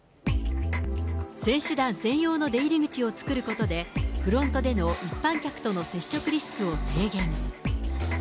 選手団専用の出入り口を作ることで、フロントでの一般客との接触リスクを低減。